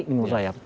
ya yang sini